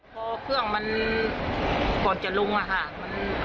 พอเครื่องมันก่อนจะลงอะค่ะ